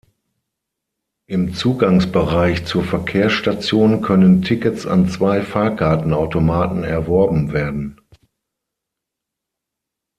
Im Zugangsbereich zur Verkehrsstation können Tickets an zwei Fahrkartenautomaten erworben werden.